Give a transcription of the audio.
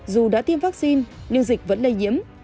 dù đã tiêm vaccine nhưng dịch vẫn lây nhiễm